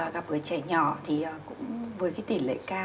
gặp với trẻ nhỏ thì cũng với tỉ lệ ca